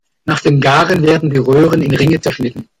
Nach dem Garen werden die Röhren in Ringe zerschnitten.